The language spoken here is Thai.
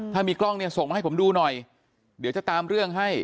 ถ้ามีกล้องเนี่ยส่งมาให้ผมดูหน่อยเดี๋ยวจะตามเรื่องให้